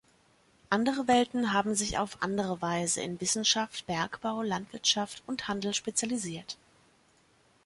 Andere Welten haben sich auf andere Weise in Wissenschaft, Bergbau, Landwirtschaft und Handel spezialisiert.